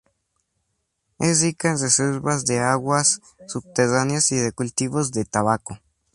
Es rica en reservas de aguas subterráneas y de cultivos de tabaco.